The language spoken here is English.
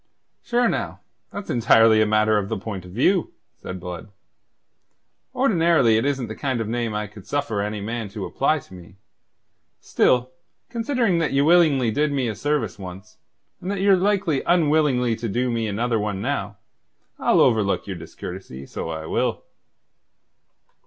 "Sure, now, that's entirely a matter of the point of view," said Blood. "Ordinarily it isn't the kind of name I could suffer any man to apply to me. Still, considering that ye willingly did me a service once, and that ye're likely unwillingly to do me another now, I'll overlook your discourtesy, so I will."